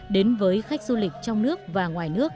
đến với khách du lịch trong nước và ngoài nước